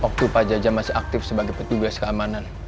waktu pak jaja masih aktif sebagai petugas keamanan